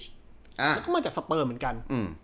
แล้วก็มาจากสเปอร์เหมือนกัน